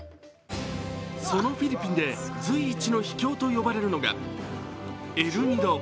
そのフィリピンで、随一のひきょうと呼ばれるのがエルニド。